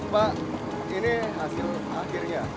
pak ini hasil akhirnya